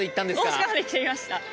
大阪まで行ってきました。